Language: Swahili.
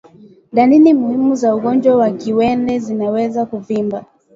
Dalili muhimu za ugonjwa ni kiwele kinaweza kuvimba